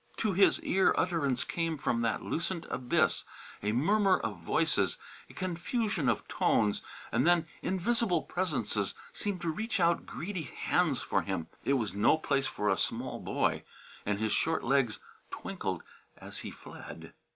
To his ear utterance came from that lucent abyss, a murmur of voices, a confusion of tones; and then invisible presences seemed to reach out greedy hands for him. It was no place for a small boy, and his short legs twinkled as he fled.